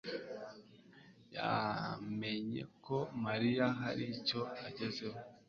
yamenye ko Mariya hari icyo agezeho.